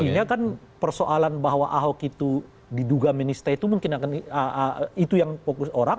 artinya kan persoalan bahwa ahok itu diduga menista itu mungkin akan itu yang fokus orang